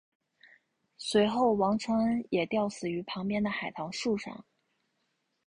随后王承恩也吊死于旁边的海棠树上。